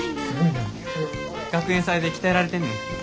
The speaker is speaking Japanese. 学園祭で鍛えられてんねん。